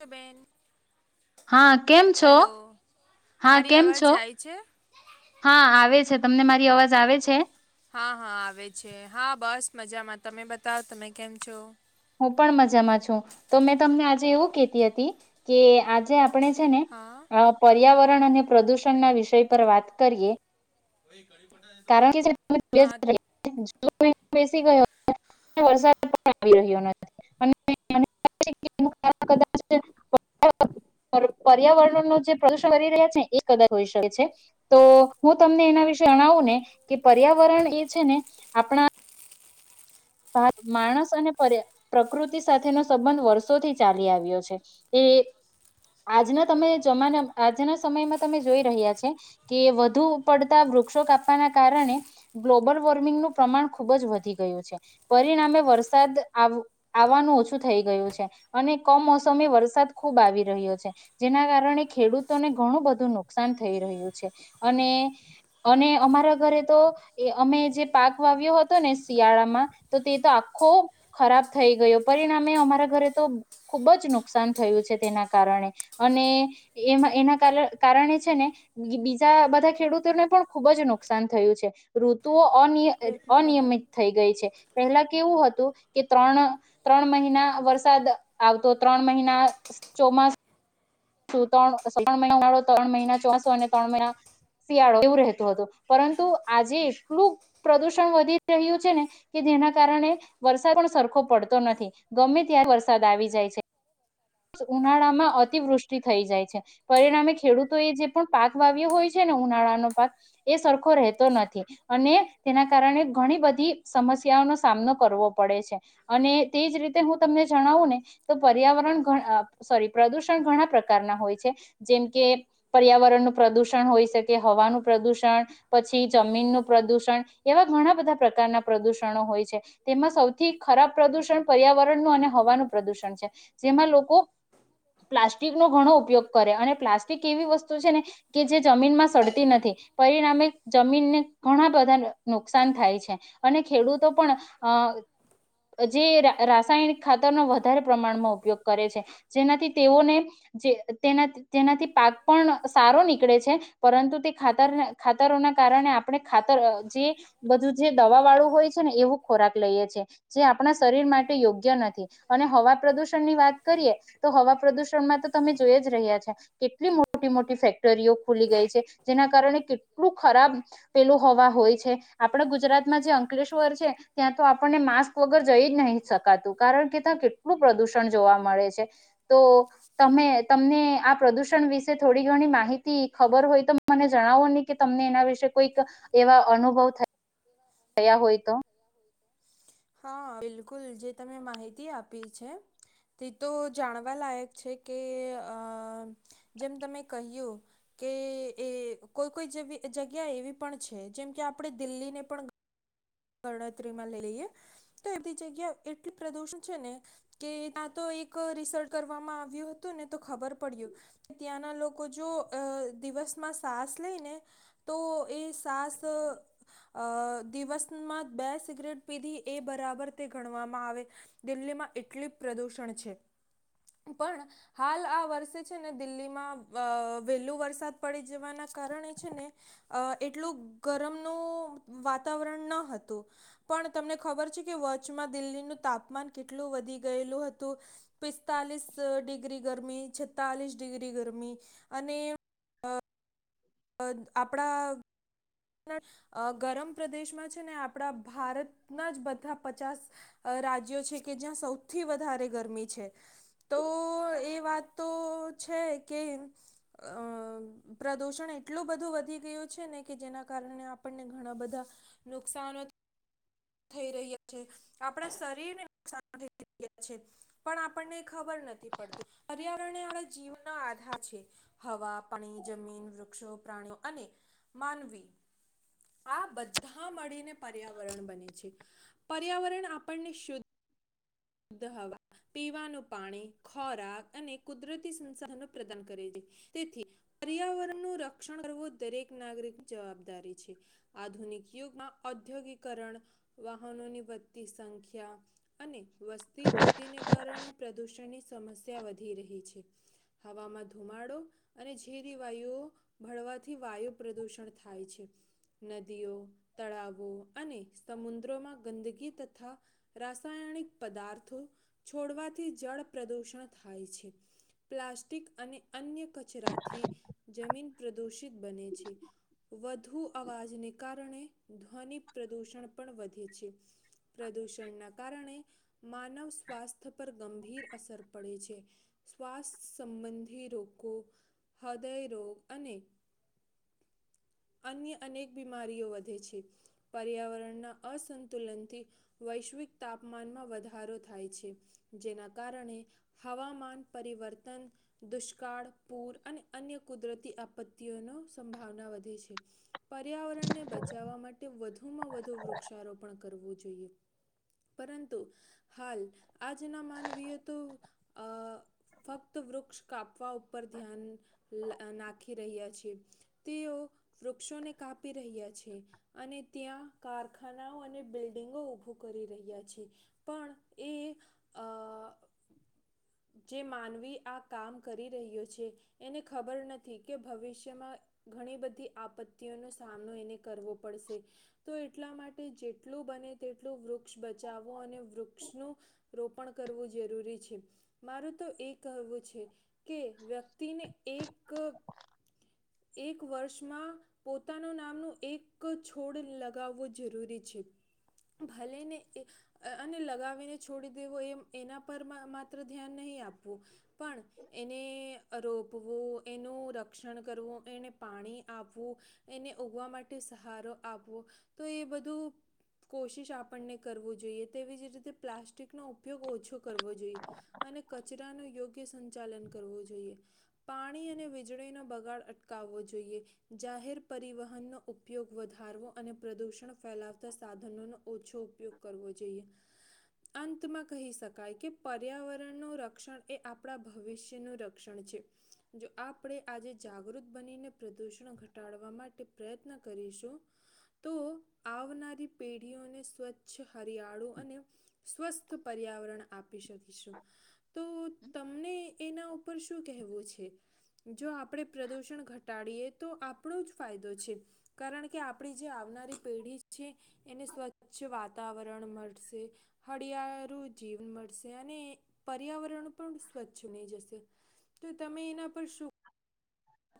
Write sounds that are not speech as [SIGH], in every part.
તો બેન. હા કેમ છો, હેલો હા મારી કેમ અવાજ છો, જાય છે હા આવે છે. તમને મારી અવાજ આવે છે? હા હા આવે છે હા બસ મજામાં તમે બતાવ તમે કેમ છો? હું પણ મજામાં છું, તો મેં તમને આજે એવું કતી હતી, કે આજે આપણે છે ને, હા પર્યાવરણ અને પ્રદુષણ ના વિષય પર વાત કરીએ. કારણ કે હા [UNINTELLIGIBLE] બેસી ગયો વરસાદ પણ આવી રહ્યો. [UNINTELLIGIBLE] દાચ પર્યાવરણ ન જે પ્રદર્શન કરી રહ્યા છે, એ કદાચ હોઈ શકે છે તો હું તમને એના વિશે જણાવું ને કે પર્યાવરણ એ છે ને, આપણા માણસ અને પ્રકૃતિ સાથેનો સંબંધ વર્ષોથી ચાલી આવ્યો છે, એ આજના તમે જમાના આજના સમયમાં તમે જોઈ રહ્યા છે, કે વધુ પડતા વૃક્ષો કાપવાના કારણે, ગ્લોબલ વોર્મિંગનું પ્રમાણ ખુબ જ વધી ગયું છે. પરિણામે વરસાદ આવવાનું ઓછું થઈ ગયું છે, અને કમ મોસમે વરસાદ ખૂબ આવી રહ્યો છે, જેના કારણે ખેડૂતોને ઘણું બધું નુકસાન થઈ રહ્યું છે, અને અને અમારા ઘરે તો એ અમે જે પાક વાવ્યો હતો ને શિયાળામાં. તો તે તો આખો ખરાબ થઈ ગયો પરિણામે અમારા ઘરે તો ખુબ જ નુકસાન થયું છે તેના કારણે, અને એમાં એના કારણે છે, ને બીજા બધા ખેડૂતોને પણ ખૂબ જ નુકસાન થયું છે, ઋતુઓ અનય દેખના બહાર અનિયમિત થઈ ગઈ છે. પહેલા કેવું હતું, કે ત્રણ ત્રણ મહિના વરસાદ આવતો ત્રણ મહિના ચોમાસ ણિળો ત્રણ મહિના ચોસો અને ત્રણ મહિના શિયાળો એવું રહેતું હતું પરંતુ આજે એટલું પ્રદુષણ વધી રહ્યું છે ને, કે જેના કારણે વરસાદ પણ સરખો પડતો નથી, ગમે ત્યા્યારે વરસાદ આવી જાય છે, ઉનાળામાં અતિવૃષ્ટ થ જાય છે, પરિણામે ખેડૂતો એ જે પણ પાક વાવ્યો હોય છે ને ઉનાળાનો પાક, એ સરખો રહેતો નથી, અને તેના કારણે ઘણી બધી સમસ્યાઓનો સામનો કરવો પડે છે, અને તેજ રીતે હું તમને જણાવું ને, તો પર્યાવરણ સોરી પ્રદુષણ ઘણા પ્રકારના હોય છે, જેમ કે પર્યાવરણનું પ્રદુષણ હોય શકે હવાનું પ્રદુષણ, પછી જમીનનું પ્રદુષણ, એવા ઘણા બધા પ્રકારના પ્રદુષણો હોય છે, તેમાં સૌથી ખરાબ પ્રદુષણ પર્યાવરણનું અને હવાનું પ્રદુષણ છે. જેમાં લોકો પ્લાસ્ટ નો ઘણો ઉપયોગ કરે અને પ્લાસ્ટિક એવી વસ્તુ છે ને, કે જે જમીન માં સડતી નથી, પરિણામે જમીનને ઘણા બધા નુકસાન થાય છે, અને ખેડૂતો પણ, અ જે રાસાયણિક ખાતર ન વધારે પ્રમાણ ઉપયોગ કરે છે, જેનાથી તેઓને જે તેના તેનાથી પાક પણ સારો નીકળે છે, પરંતુ તે ખાતર ખાતરોના કારણે આપણે ખાતર જે બધું જે દવા વાળું હોય છે ને એવો ખોરાક લઈએ છે, જે આપણા શરીર માટે યોગ્ય નથી, અને હવા પ્રદુષણ ની વાત કરીએ, તો હવા પ્રદૂષણમાં તો તમે જોઈ જ રહ્યા છે, કેટલી મોટી મોટી ફેક્ટરીઓ ખુલી ગઈ છે. જેના કારણે કેટલું ખરાબ પેલું હવા હોય છે, આપણા ગુજરાતમાં જે અંકલેશ્વર છે, ત્યાં તો આપણને માસ્ક વગર જઈ જ નહી શકાતું કારણ કે ત્યાં કેટલું પ્રદુષણ જોવા મળે છે, તો તમે તમને આ પ્રદુષણ વિશે થોડી ઘણી માહિતી ખબર હોય તો [UNINTELLIGIBLE] જણાવોને કે તમને એના વિશેે કોઈક એવા અનુભવ થાય થયા હોય તો? હા, બિલકુલ જે તમે માહિતી આપી છે તે તો જાણવા લાયક છે, કે અહ જેમ તમે કહ્યું કે એ કોઈ કોઈવી જેવી જગ્યા એવી પણ છે, જેમ કે આપણે દિલ્હીને પણ ગણતરીમાં લઈ લઈએ તો એધી જગ્યા એટલી પ્રદુષણ છે ને કે ત્યા તો એક રિસર્ચ કરવામાં આવ્યું હતું ને તો ખબર પડ્યું, કે ત્યાંના લોકો જો દિવસમાં સાસ લઈ ને તો એ સાસ દિવસ બે સિગરેટ પીધી એ બરાબર તે ગણવામાં આવે, દિલ્હીમાં એટલી પ્રદુષણ છે. પણ હાલ આ વર્ષે છે ને દિલ્હીમાં વહેલો વરસાદ પડી જવાના કારણે છે ને એટલું ગરમનું વાતાવરણ ન હતું, પણ તમને ખબર છે કે વચચમાં દિલ્હીનું તાપમાન કેટલું વધી ગયેલું હતું, પિસ્તાલીસ ડિગ્રી ગરમી, છેતાલીસ ડિગ્રી ગરમી અને અહ આપડા ગરમ પ્રદેશમાં છે ને આપડા ભારતના જ બધા પચાસ રાજ્યો છે, કે જ્યાં સૌથી વધારે ગરમી છે. તો એ વાત તો છે કે અહ પ્રદુષણ એટલું બધું વધી ગયું છે ને કે જેના કારણે આપણને ઘણા બધા નુકસાન થઈ રહ્યા છે. આપડા શરીરને નુકસાન થઈ રહ્યા છે, પણ આપણને ખબર નથી પડતું પર્યાવરણ જીવનો આધાર છે. હવા પાણી, જમીન, વૃક્ષો પ્રાણી અને માનવી આ બધા મળીને પર્યાવરણ બને છે. પર્યાવરણ આપણને શુદ્ધ ધ હવા, પીવાનું પાણી, ખોરાક અને કુદરતી સંસાધનો પ્રદાન કરે છે. તેથી પર્યાવરણ નું રક્ષણ કરવું દરેક નાગરિક જવાબદારી છે. આધુનિક યુગમાં ઔદ્યોગિકરણ વાહનોની વધતી સંખ્યા અને વસ્તી વૃદ્ધિને કારણે પ્રદૂષણની સમસ્યા વધી રહી છે. હવામાં ધુમાડો અને ઝેરી વાયુઓ ભળવાથી વાયુ પ્રદુષણ થાય છે. નદીઓ તળાવો અને સમુદ્રો માં ગંદગી તથા રાસાાયણિક પદાર્થો છોડવાથી જળ પ્રદૂષણ થાય છે. પ્લાસ્ટિક અને અન્ય કચરાથી જમીન પ્રદુષિત બને છે. વધુ અવાજને કારણે ધ્વનિ પ્રદુષણ પણ વધે છે. પ્રદુષણના કારણે માનવ સ્વાસ્થ્ય પર ગંભીર અસર પડે છે. શ્વાસ સંબંધી રોગો, હૃદય રોગ અને અન્ય અનેક બીમારીઓ વધે છે. પર્યાવરણના અસંતુલનથી વૈશ્વિક તાપમાનમાં વધા ધારો થાય છે. જેના કારણે હવામાન, પરિવર્તન, દુષ્કાળ, પૂર અને અન્ય કુદરતી આપત્તિઓનો સંભાવના વધે છે. પર્યાવરણને બચાવવા માટે વધુમાં વધુ વૃક્ષારોપણ કરવું જોઈએ, પરંતુ હાલ આજ ના માનવીય તો અ ફક્ત વૃક્ષ કાપવા ઉપર ધ્યાન નાખી રહ્યા છે. તેઓ વૃક્ષોને કાપી રહ્યા છે, અને ત્યાં કારખાનાઓ અને બિલ્ડિંગો ઉભો કરી રહ્યા છે. અહ જે માનવી આ કામ કરી રહ્યો છે, એને ખબર નથી કે ભવિષ્યમાં ઘણી બધી આપત્તિઓનો સામનો એને કરવો પડશે તો એટલા માટે જેટલું બને તેટલું વૃક્ષ બચાવો અને વૃક્ષનું રોપ [UNINTELLIGIBLE] પણ કરવું જરૂરી છે, માર તો એક કહેવું છે કે વ્યક્તિને એક એક વર્ષમાં પોતાનું નામનું એક છોડ લગાવવો જરૂરી છે, ભલેને અને લગાવીને છોડી દેવો એમ એના પર માત્ર ધ્યાન નહીં આપવું, પણ એને રોપવું. એનું રક્ષણ કરવું એને પાણી આપવું એને ઉગવા માટે સહારો આપવો તો એ બધું કોશિશ આપણને કરવું જોઈએ તેવી જ રીતે પ્લાસ્ટિકનો ઉપયોગ ઓછો કરવો જોઈએ અને કચરાનું યોગ્ય સંચાલન કરવું જોઈએ પાણી અને વીજળીનો બગાડ અટકાવવો જોઈએ જાહેર પરિવહનનો ઉપયોગ વધારવો અને પ્રદૂષણ ફેલાવતા સાધનોનો ઓછો ઉપયોગ કરવો જોઈએ અંતમાં કહી શકાય કે પર્યાવરણનું રક્ષણ એ આપણા ભવિષ્યનુંું રક્ષણ છે જો આપણે આજે જાગૃત બનીને પ્રદુષણ ઘટાડવા માટે પ્રયત્ન કરીશું તો આવનારી પેઢીઓને સ્વચ્છ હરિયાળુ અને સ્વસ્થ પર્યાવરણ આપી શકીશું તો તમને એના ઉપર શું કેહેવું છે જો આપણે પ્રદુષણ ઘટાડીએ તો આપણો જ ફાયદો છે કારણ કે આપણી જે આવનારી પેઢી છે એને સ્વચ્છ વાતાવરણ મળશે હળિયાળુ જીવ મળશે અને પર્યાવરણ પણ સ્વચ્છ નહી જશે તો તમે એના પર શું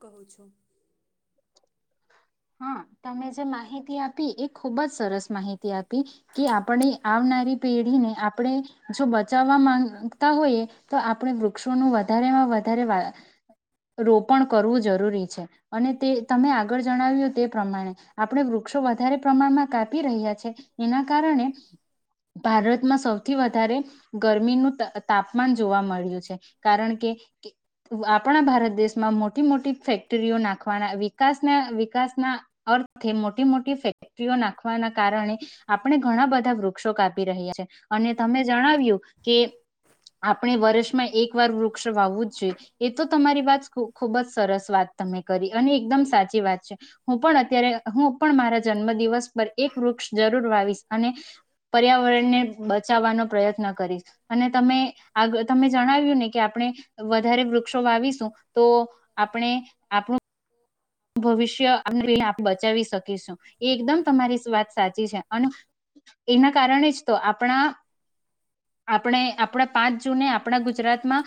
કહો છો હા તમે જે માહિતી આપી એ ખુબ જ સરસ માહિતી આપી કે આપણે આવનારી પેઢીને આપણે જો બચાવવા માંગતા હોઈએ તો આપણે વૃક્ષોનું વધારેમાં વધારે રોપણ કરવું જરૂરી છે અને તે તમે આગળ જણાવ્યું તે પ્રમાણે આપણે વૃક્ષો વધારે પ્રમાણમાં કાપી રહ્યા છે એના કારણે ભારતમાં સૌથી વધારે ગરમીનું તાપમાન જોવા મળ્યું છે કારણ કે આપણા ભારત દેશમાં મોટી મોટી ફેક્ટરીઓ નાખવાના વિકાસના વી વિકાસ ના અર્થે મોટી મોટી ફેક્ટરીઓ નાખવાના કારણે આપણે ઘણા બધા વૃક્ષો કાપી રહ્યા છે અને તમે જણાવ્યું કે આપણે વર્ષમાં એક વાર વૃક્ષ વાવવું જ જોઈએ એ તો તમારી વાત ખુબ જ સરસ વાત તમે કરી અને એકદમ સાચી વાત છે હું પણ અત્યારે હું પણ મારા જન્મ દિવસ પર એક વૃક્ષ જરૂર વાવીશ અને પર્યાવરણને બચાવવાનો પ્રયત્ન કરીશ અને તમે આ તમે જણાવ્યું ને કે આપણે વધારે વૃક્ષો વાવીશું તો આપણે આપણું ભવિષ્ય બચાવી શકીશું એ એકદમ તમારી વાત સાચી છે અને એના કારણે જ તો આપણા આપણે આપણા પાંચ જૂને આપણા ગુજરાતમાં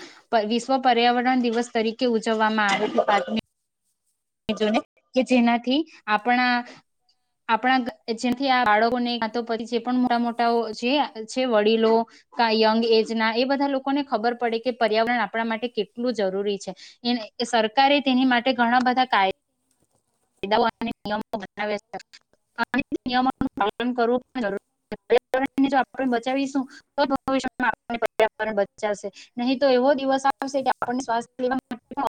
વિશ્વ પર્યાવરણ દિવસ તરીકે ઉજવવામાં આવે છે ને કે જેનાથી આપણા આપણા જેથી આ બાળકોને તો પછી જે પણ મોટા મોટા જે છે વડીલો યંગ એજ ના એ બધા લોકોને ખબર પડે કે પર્યાવરણ આપણા માટે કેટલું જરૂરી છે સરકારે તેની માટે ઘણા બધા કા કાયદાઓ અને નિયમો બનાવ્યા છે અને નિયમ ઓ નું પાલન કરવું બો જરૂરી છે પર્યાવરણ ને આપડે બચાવીશું તોજ ભવિષ્ય મા આપણે પરવરણ બચાવશે નહી તો એવો દિવસ આવશે કે આપને શ્વાસ લેવામા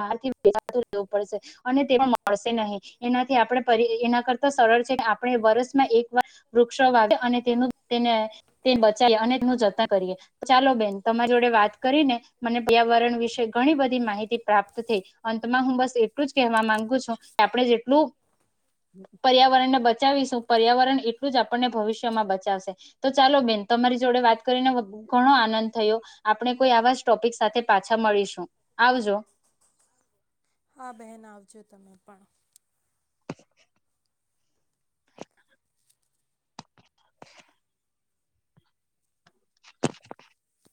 [UNINTELLIGIBLE] [UNINTELLIGIBLE] પડશે અને તે પણ મળશે નહીં એનાથી આપણે ફરી એના કરતા સરળ છે આપણે વરષમાં એક વાર વૃક્ષો વાવી એ અને તેનું તેને બચાવીએ અને તેનું જતન કરીએ ચાલો બેન તમારી જોડે વાત કરીને મને પર્યાવરણ વિશે ઘણી બધી માહિતી પ્રાપ્ત થઈ અંતમાં હું બસ એટલું જ કહેવા માંગુ છું કે આપણે જેટલું પર્યાવરણને બચાવીશું પર્યાવરણ એટલું જ આપણને ભવિષ્યમાં બચાવશે તો ચાલો બેન તમારી જોડે વાત કરીને ઘણો આનંદ થયો આપણે કોઈ આવા જ ટોપિક સાથે પાછા મળીશું આવજો હા બહેન આવજો તમે પણ [INAUDIBLE] [INAUDIBLE]